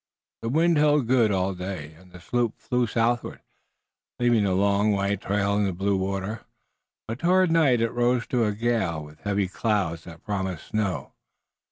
The wind held good all day long, and the sloop flew southward, leaving a long white trail in the blue water, but toward night it rose to a gale, with heavy clouds that promised snow.